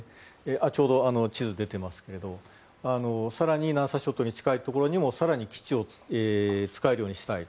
ちょうど地図出てますが更に南沙諸島に近いところにも更に基地を使えるようにしたいと。